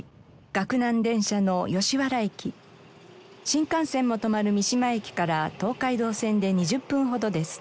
新幹線も止まる三島駅から東海道線で２０分ほどです。